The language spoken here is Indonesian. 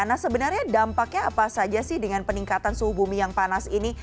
nah sebenarnya dampaknya apa saja sih dengan peningkatan suhu bumi yang panas ini